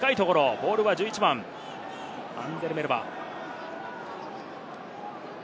ボールは１１番・ファンデルメルヴァ。